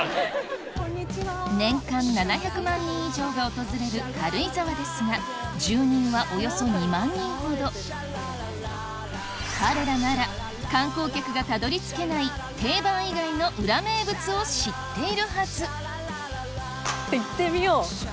年間７００万人以上が訪れる軽井沢ですが住人はおよそ２万人ほど彼らなら観光客がたどり着けない定番以外の裏名物を知っているはず